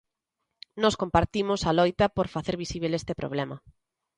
Nós compartimos a loita por facer visíbel este problema.